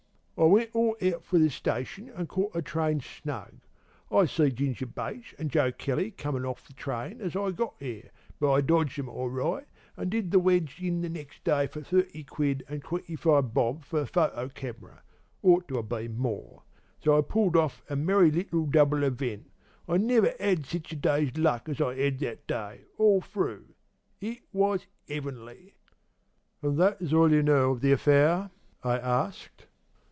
"I went all out for the station, an' caught a train snug. I see Ginger Bates an' Joe Kelly comin' off from the train as I got there; but I dodged 'em all right, an' did the wedge in next day for thirty quid an' twenty five bob for the photo camera ought to 'a bin more, An' so I pulled off a merry little double event. I never 'ad sich a day's luck as I 'ad that day, all through. It was 'eavenly!" "And is that all you know of the affair?" I asked.